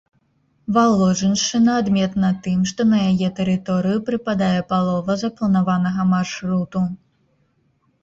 Валожыншчына адметна тым, што на яе тэрыторыю прыпадае палова запланаванага маршруту.